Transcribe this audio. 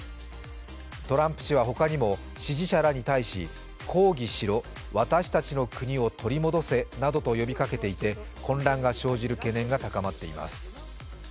トランプ氏は他にも、支持者らに対し抗議しろ、私たちの国を取り戻せなどと呼びかけていて混乱が生じる懸念が高まっています。